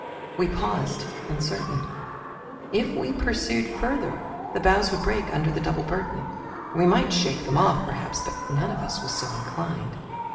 We paused uncertain. If we pursued further, the boughs would break under the double burden. We might shake them off, perhaps, but none of us was so inclined.